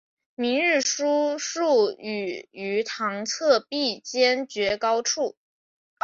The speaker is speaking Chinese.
明日书数语于堂侧壁间绝高处。